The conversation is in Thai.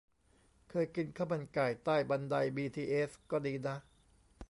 เคยกินข้าวมันไก่ใต้บันไดบีทีเอส ก็ดีนะ